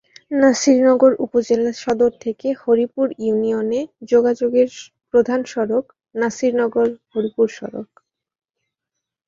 নাসিরনগর উপজেলা সদর থেকে হরিপুর ইউনিয়নে যোগাযোগের প্রধান সড়ক নাসিরনগর-হরিপুর সড়ক।